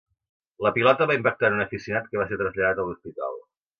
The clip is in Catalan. La pilota va impactar en un aficionat, que va ser traslladat a l'hospital.